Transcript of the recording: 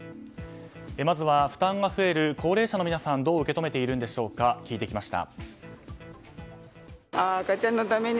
まずは負担が増える高齢者の皆さんはどう受け止めているんでしょうか聞いてきました。